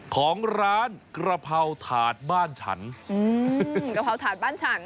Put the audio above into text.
ของร้านกระเพราถาดบ้านฉันอืมกะเพราถาดบ้านฉัน